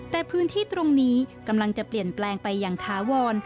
แต่พื้นที่ตรงนี้กำลังจะเปลี่ยนแปลงไปอย่างถาวร